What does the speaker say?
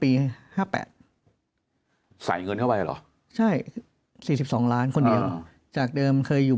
๕๘ใส่เงินเข้าไปเหรอใช่๔๒ล้านคนเดียวจากเดิมเคยอยู่